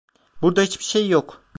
Burada hiçbir şey yok.